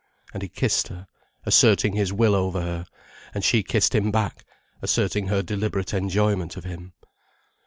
And he kissed her, asserting his will over her, and she kissed him back, asserting her deliberate enjoyment of him.